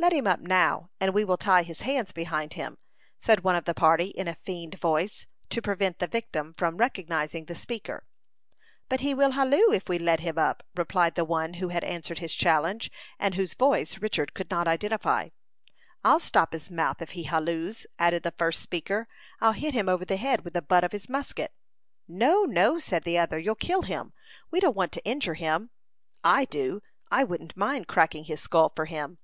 "Let him up, now, and we will tie his hands behind him," said one of the party, in a feigned voice, to prevent the victim from recognizing the speaker. "But he will halloo, if we let him up," replied the one who had answered his challenge, and whose voice Richard could not identify. "I'll stop his mouth, if he hallooes," added the first speaker. "I'll hit him over the head with the butt of his musket." "No, no," said the other; "you'll kill him. We don't want to injure him." "I do; I wouldn't mind cracking his skull for him."